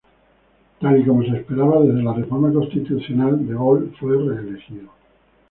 Tal y como se esperaba desde la reforma constitucional, De Gaulle fue reelegido.